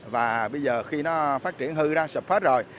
và bây giờ khi nó phát triển hư ra sập phát rồi